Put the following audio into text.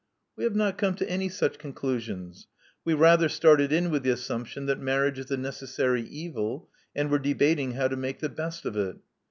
"We have not come to any such conclusions. We rather started in with the assumption that marriage is a necessary evil, and were debating how to make the best of it."